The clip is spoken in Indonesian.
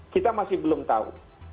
kita masih belum tahu